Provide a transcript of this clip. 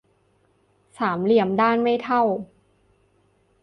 สามเหลี่ยมด้านไม่เท่า